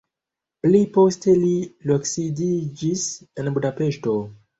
Pli poste li loksidiĝis en Budapeŝto.